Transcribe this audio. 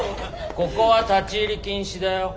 ここは立ち入り禁止だよ。